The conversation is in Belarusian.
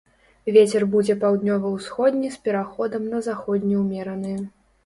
Вецер будзе паўднёва-ўсходні з пераходам на заходні ўмераны.